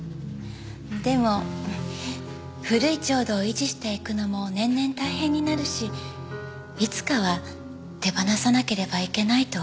でも古い調度を維持していくのも年々大変になるしいつかは手放さなければいけないと思っていたの。